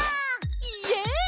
イエイ！